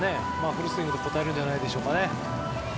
フルスイングで応えるんじゃないですかね。